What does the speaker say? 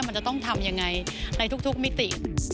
มันจะต้องทำยังไงในทุกมิติ